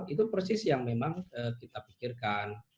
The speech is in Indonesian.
itu persis yang memang kita pikirkan